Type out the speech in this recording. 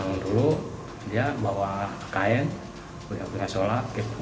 mungkin dilihat juga langsung dibawa